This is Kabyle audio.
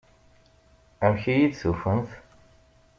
Amek iyi-d-tufamt?